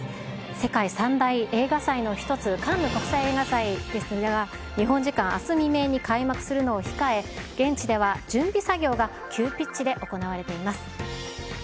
世界三大映画祭の一つ、カンヌ国際映画祭ですが、日本時間あす未明に開幕するのを控え、現地では準備作業が急ピッチで行われています。